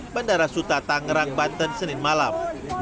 bandara suta tangerang banten senin malam